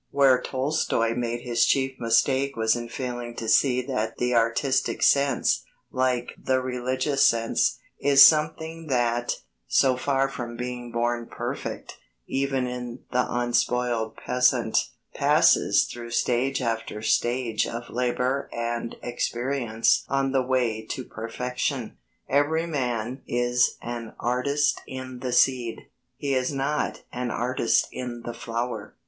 Where Tolstoy made his chief mistake was in failing to see that the artistic sense, like the religious sense, is something that, so far from being born perfect, even in the unspoiled peasant, passes though stage after stage of labour and experience on the way to perfection. Every man is an artist in the seed: he is not an artist in the flower.